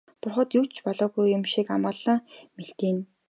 Бурхад юу ч болоогүй юм шиг амгалан мэлтийнэ.